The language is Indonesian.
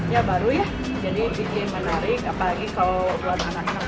ya baru ya jadi bikin menarik apalagi kalau buat anak anak muda tuh ya